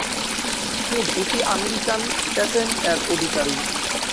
তিনি দুটি American patent এর অধিকারী।